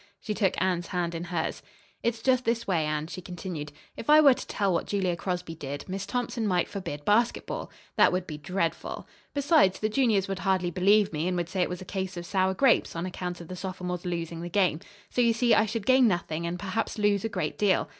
She took Anne's hand in hers. "It's just this way, Anne," she continued. "If I were to tell what Julia Crosby did, Miss Thompson might forbid basketball. That would be dreadful. Besides, the juniors would hardly believe me, and would say it was a case of sour grapes, on account of the sophomores losing the game. So you see I should gain nothing and perhaps lose a great deal.